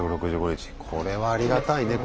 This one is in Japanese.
これはありがたいね